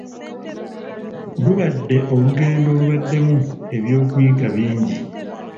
Lubadde olugendo olubaddemu eby'okuyiga bingi.